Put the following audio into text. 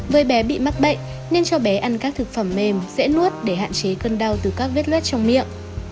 với bé bị mắc bệnh nên cho bé ăn các thực phẩm mềm dễ nuốt để hạn chế cơn đau từ các vết lết trong miệng